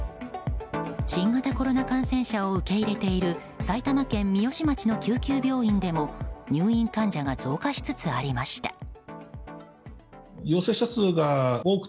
新型コロナ感染者を受け入れている埼玉県三芳町の救急病院でも入院患者が増加しつつありました。